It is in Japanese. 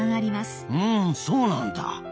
ふんそうなんだ。